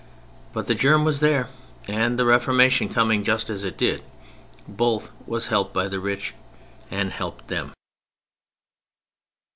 But the germ was there; and the Reformation coming just as it did, both was helped by the rich and helped them.